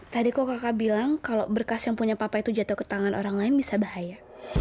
tadi kok kakak bilang kalau berkas yang punya papa itu jatuh ke tangan orang lain bisa bahaya